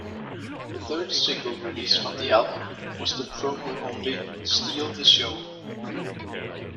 The third single released from the album was the promo-only "Steal the Show".